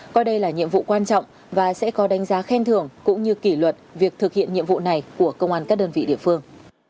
coi đây là nhiệm vụ quan trọng và sẽ có đánh giá khen thưởng cũng như kỷ luật việc thực hiện nhiệm vụ này của công an các đơn vị địa phương